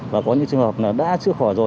và có những trường hợp đã chứa khỏi